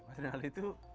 mas rinaldi itu